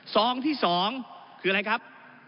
ซองที่๒คืออะไรครับ